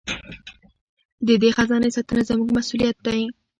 د دې خزانې ساتنه زموږ مسوولیت دی.